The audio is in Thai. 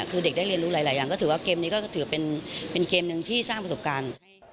คือเด็กได้เรียนรู้หลายอย่างก็ถือว่าเกมนี้ก็ถือเป็นเกมหนึ่งที่สร้างประสบการณ์